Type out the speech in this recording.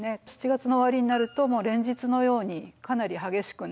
７月の終わりになると連日のようにかなり激しくなってきましたね。